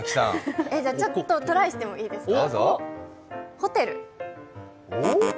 ちょっとトライしてもいいですか？